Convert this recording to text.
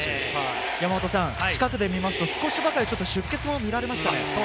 近くで見ますと、少しばかり出血も見られました。